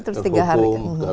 terus tiga hari